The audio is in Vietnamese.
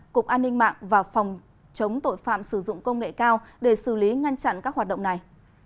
cục an ninh mạng và phòng chống tội phạm sử dụng công nghệ cao để xử lý ngăn chặn các hoạt động này